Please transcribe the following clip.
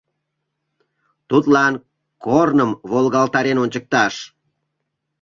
Тудлан корным волгалтарен ончыкташ...